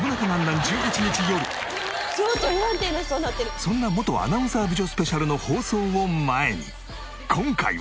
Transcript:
そんな元アナウンサー美女スペシャルの放送を前に今回は。